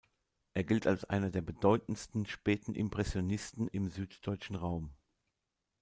Er gilt als einer der bedeutendsten späten Impressionisten im süddeutschen Raum.